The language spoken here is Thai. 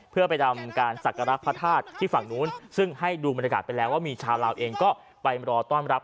เพื่อไปทำการศักระพระธาตุที่ฝั่งนู้นซึ่งให้ดูบรรยากาศไปแล้วว่ามีชาวลาวเองก็ไปรอต้อนรับ